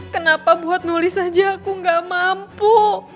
kenapa buat nulis aja aku gak mampu